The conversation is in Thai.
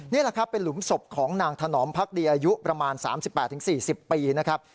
นี่แหละครับเป็นหลุมศพของนางถนอมพักดีอายุประมาณ๓๘๔๐ปีนะครับ